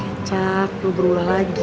kecap lo berulang lagi